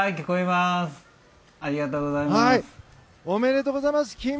おめでとうございます。